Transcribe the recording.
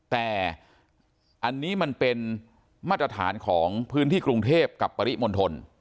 แต่อันนี้มันเป็นมาตรฐานของพื้นที่กรุงเทพกับปริมณฑล